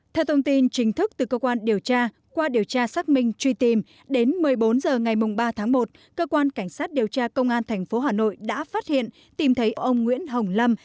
theo thông tin chính thức từ cơ quan điều tra qua điều tra xác minh truy tìm đến một mươi bốn h ngày ba tháng một cơ quan cảnh sát điều tra công an tp hà nội đã phát hiện tìm thấy ông nguyễn hồng lâm